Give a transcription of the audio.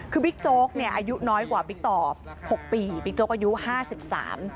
คือบิ๊กโจ๊กเนี่ยอายุน้อยกว่าบิ๊กตอบหกปีบิ๊กโจ๊กอายุห้าสิบสาม